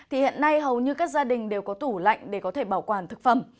thì hiện nay hầu như các gia đình đều có tủ lạnh để có thể bảo quản thực phẩm